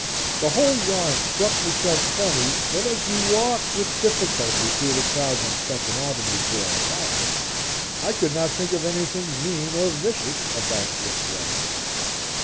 The whole yarn struck me so funny, that as we walked, with difficulty, through the crowds on Second Avenue to our apartments, I could not think of anything mean or vicious about Swiftwater.